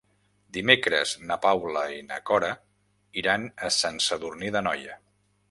Dimecres na Paula i na Cora iran a Sant Sadurní d'Anoia.